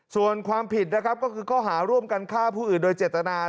ส่วนความผิดนะครับก็คือข้อหาร่วมกันฆ่าผู้อื่นโดยเจตนา